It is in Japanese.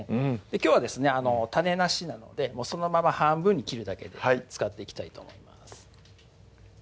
きょうはですね種なしなのでそのまま半分に切るだけで使っていきたいと思います